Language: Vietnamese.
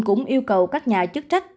cũng yêu cầu các nhà chức trách